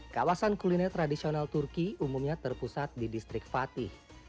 kawasan kuliner tradisional turki umumnya terpusat di distrik fatih